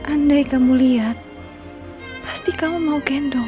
andai kamu lihat pasti kamu mau gendong